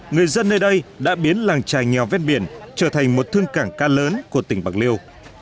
người dân nơi đây đã biến làng trài nghèo ven biển trở thành một thương cảng ca lớn của tỉnh bạc liêu